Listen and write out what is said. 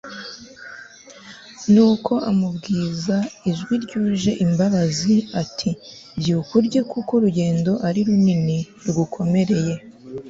nuko amubwiza ijwi ryuje imbabazi ati Byuka urye kuko urugendo ari runini rugukomereye